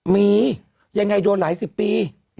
มียังไงโดนหลายสิบปี